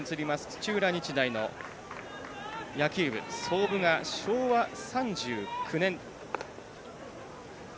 土浦日大の野球部創部が昭和３９年。